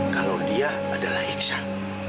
kalau dia adalah iksan